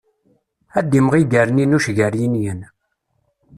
Ad d-imɣi gerninuc gar yinyen.